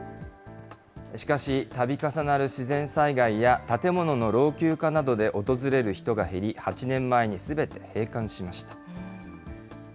しかし、たび重なる自然災害や、建物の老朽化などで訪れる人が減り、８年前にすべて閉館しました。